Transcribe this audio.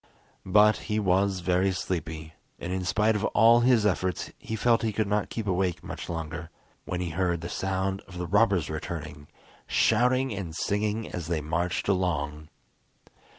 But he was very sleepy, and in spite of all his efforts he felt he could not keep awake much longer, when he heard the sound of the robbers returning, shouting and singing as they marched along.